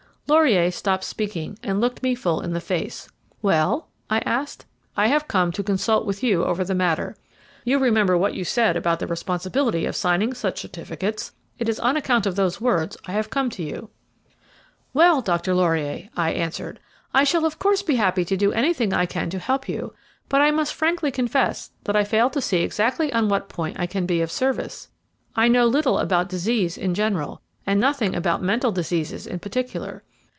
Laurier stopped speaking and looked me full in the face. "Well?" I asked. "I have come to consult with you over the matter. You remember what you said about the responsibility of signing such certificates! It is on account of those words I have come to you." "Well, Dr. Laurier," I answered, "I shall of course be happy to do anything I can to help you, but I must frankly confess that I fail to see exactly on what point I can be of service. I know little about disease in general, and nothing about mental diseases in particular.